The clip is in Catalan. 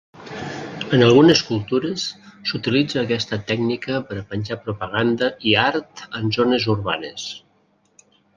En algunes cultures, s'utilitza aquesta tècnica per a penjar propaganda i art en zones urbanes.